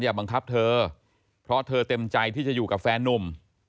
บังคับเธอเพราะเธอเต็มใจที่จะอยู่กับแฟนนุ่ม